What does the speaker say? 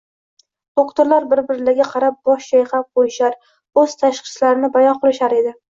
Doktorlar bir-birlariga qarab bosh chayqab qo`yishar, o`z tashxislarini bayon qilishar edi